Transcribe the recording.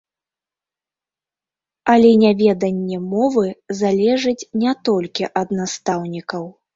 Але няведанне мовы залежыць не толькі ад настаўнікаў.